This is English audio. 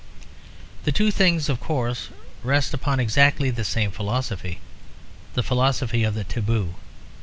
The two things of course rest upon exactly the same philosophy; the philosophy of the taboo.